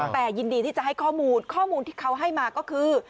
แต่ยินดีที่จะให้ข้อมูลข้อมูลที่เขาให้มาก็คือ